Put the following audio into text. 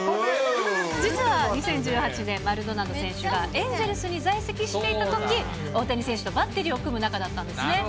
実は２０１８年、マルドナド選手がエンゼルスに在籍していたとき、大谷選手とバッテリーを組む仲だったんですね。